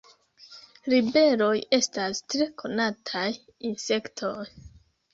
Libeloj estas tre konataj insektoj.